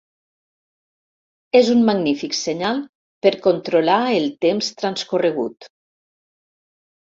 És un magnífic senyal per controlar el temps transcorregut.